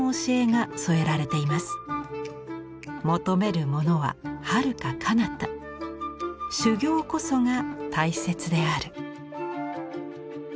「求めるものは遥か彼方修行こそが大切である」。